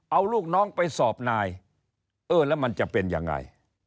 เอาลูกน้องไปสอบนายเออแล้วมันจะเป็นยังไง